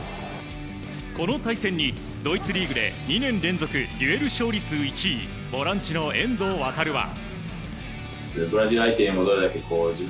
この対戦にドイツリーグで２年連続デュエル勝利数１位ボランチの遠藤航は。